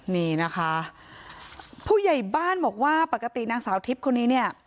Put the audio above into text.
นี่นะคะผู้ใหญ่บ้านบอกว่าปกตินังสาวทิศคนนี้